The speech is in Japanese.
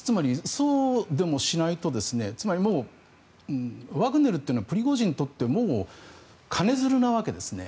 そうでもしないとつまりもう、ワグネルというのはプリゴジンにとってもう、金づるなわけですね。